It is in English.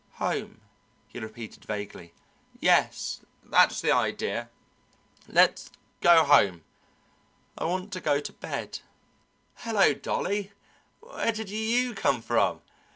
"Home," he repeated vaguely; "yes, that's the idea. Let's go home. I want to go to bed. Hello, Dolly! where did you come from?